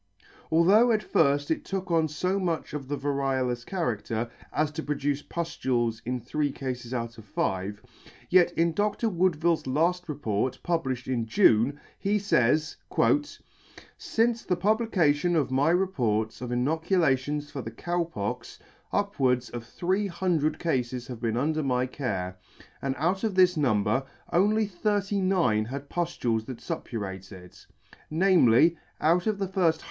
Although at firft it took on fo much of the variolous character, as to produce puftules in three Cafes out of five, yet in Dr. Woodville's , C * 5 °] Woodville's laft report, published in June, he fays, " Since the publication of my reports of inoculations for the Cow Pox, upwards of three hundred Cafes have been under my care ; and out of this number, only thirty nine had puftules that fup purated : viz. out of the firft